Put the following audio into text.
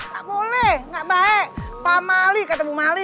gak boleh gak baik pak mali kata bu mali